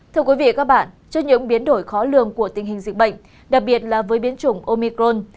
thưa quý vị và các bạn trước những biến đổi khó lường của tình hình dịch bệnh đặc biệt là với biến chủng omicron